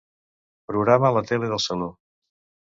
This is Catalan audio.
Programa la tele del saló.